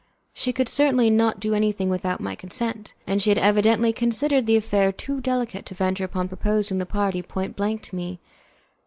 She could certainly not do anything without my consent, and she had evidently considered the affair too delicate to venture upon proposing the party point blank to me.